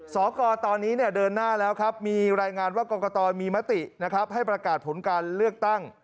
สกตอนนี้เดินหน้าแล้วครับมีรายงานว่ากรกตมีมตินะครับให้ประกาศผลการเลือกตั้ง